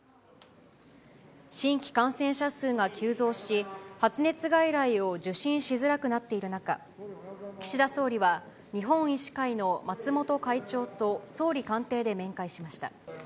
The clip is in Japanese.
新規感染者数が急増し、発熱外来を受診しづらくなっている中、岸田総理は日本医師会の松本会長と総理官邸で面会しました。